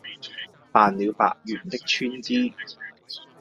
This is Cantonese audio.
辦了八元的川資，